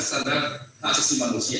standar asisi manusia